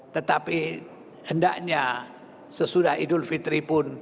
tetapi hendaknya sesudah idul fitri pun